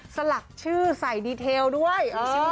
สะหรับชื่อใส่ภาพด้วย